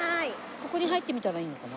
ここに入ってみたらいいのかな？